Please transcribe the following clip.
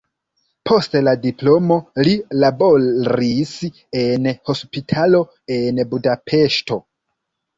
Post la diplomo li laboris en hospitalo en Budapeŝto.